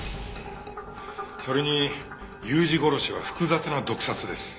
それに裕二殺しは複雑な毒殺です。